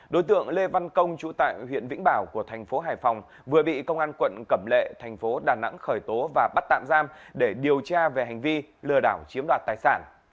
đối tượng lê văn công chú tại huyện vĩnh bảo của thành phố hải phòng vừa bị công an quận cẩm lệ thành phố đà nẵng khởi tố và bắt tạm giam để điều tra về hành vi lừa đảo chiếm đoạt tài sản